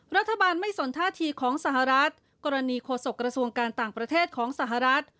รัฐบาลไม่สนท่าทีของสหรัฐกรณีโฆษกระทรวงการต่างประเทศของสหรัฐ